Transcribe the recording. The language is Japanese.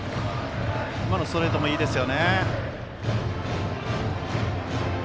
今のストレートもいいです。